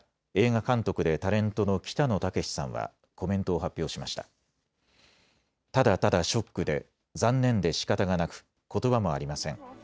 ただただショックで残念でしかたがなくことばもありません。